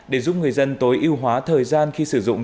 để giúp người dân tối ưu hóa thời gian khi sử dụng